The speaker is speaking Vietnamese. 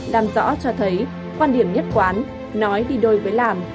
làm rõ cho thấy quan điểm nhất quán nói đi đôi với làm